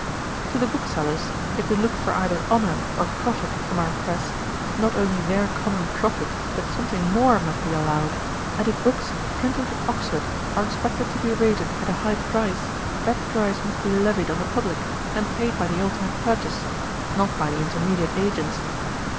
'To the booksellers, if we look for either honour or profit from our press, not only their common profit, but something more must be allowed; and if books, printed at Oxford, are expected to be rated at a high price, that price must be levied on the publick, and paid by the ultimate purchaser, not by the intermediate agents.